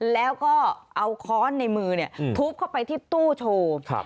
แล้วก็เอาค้อนในมือเนี่ยทุบเข้าไปที่ตู้โชว์